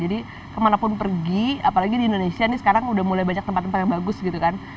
jadi kemana pun pergi apalagi di indonesia nih sekarang udah mulai banyak tempat tempat yang ada yang menggabungkan saya